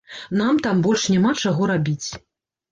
Нам там больш няма чаго рабіць.